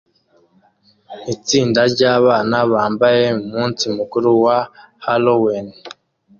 Itsinda ryabana bambaye umunsi mukuru wa Halloween